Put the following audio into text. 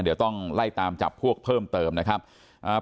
เดี๋ยวต้องไล่ตามจับพวกเพิ่มเติมนะครับอ่า